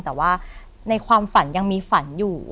แต่ว่าในความฝันยังมีฝันอยู่